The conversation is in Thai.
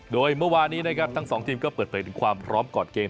โดยเมื่อวานี้นะครับทั้งสองทีมก็เปิดเผยถึงความพร้อมก่อนเกม